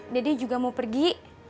dedek juga mau pergi